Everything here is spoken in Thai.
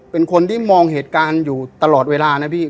เป็นคนที่มองเหตุการณ์อยู่ตลอดเวลานะพี่